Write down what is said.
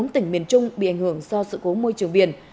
bốn tỉnh miền trung bị ảnh hưởng do sự cố môi trường biển